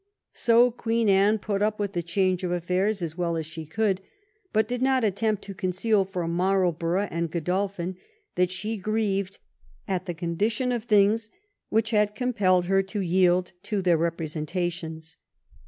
So Queen Anne put up with the change of affairs as well as she could, but did not attempt to conceal from Marlborough and Gkxlolphin that she grieved at the condition of things which had compelled her to yield to their representations.